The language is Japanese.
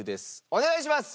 お願いします！